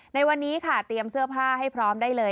ในวันนี้ค่ะเตรียมเสื้อผ้าให้พร้อมได้เลย